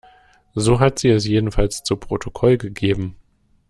So hat sie es jedenfalls zu Protokoll gegeben.